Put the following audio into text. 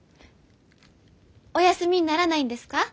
お休みにならないんですか？